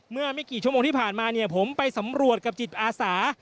เมื่อไม่กี่ชั่วโมงที่ผ่านมาเนี่ยผมไปสำรวจกับจิตอาสา